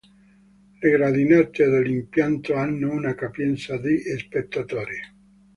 Le gradinate dell'impianto hanno una capienza di spettatori.